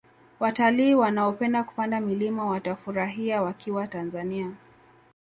watalii wanaopenda kupanda milima watafurahia wakiwa tanzania